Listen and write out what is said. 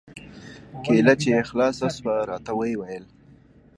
کېله چې يې خلاصه سوه راته ويې ويل.